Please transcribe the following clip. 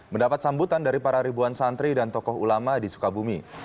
mendapat sambutan dari para ribuan santri dan tokoh ulama di sukabumi